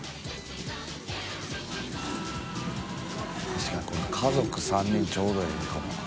確かにこれ家族３人ちょうどええかもな。